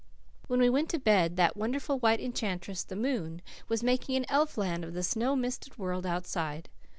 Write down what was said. When we went to bed, that wonderful white enchantress, the moon, was making an elf land of the snow misted world outside.